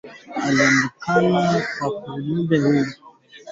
Kaji ya wanaume ata mwanamuke anaweza ku ifanya